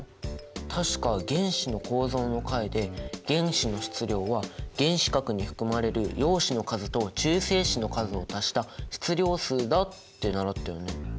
確か原子の構造の回で原子の質量は原子核に含まれる陽子の数と中性子の数を足した質量数だって習ったよね。